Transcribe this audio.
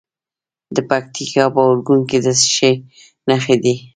د پکتیکا په اورګون کې د څه شي نښې دي؟